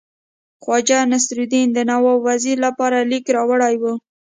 خواجه نصیرالدین د نواب وزیر لپاره لیک راوړی وو.